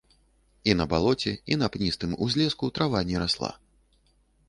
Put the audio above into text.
І на балоце, і на пністым узлеску трава не расла.